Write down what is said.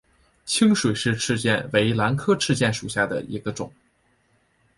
清水氏赤箭为兰科赤箭属下的一个种。